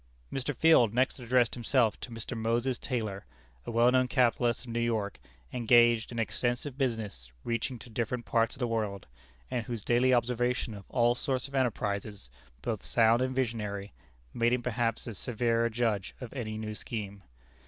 Mr. Field next addressed himself to Mr. Moses Taylor, a well known capitalist of New York, engaged in extensive business reaching to different parts of the world, and whose daily observation of all sorts of enterprises, both sound and visionary, made him perhaps a severer judge of any new scheme.